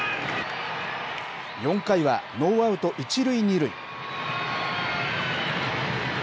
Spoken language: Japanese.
４回はノーアウト１塁２塁。